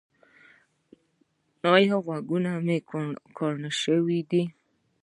ایا غوږونه مو کڼ شوي دي؟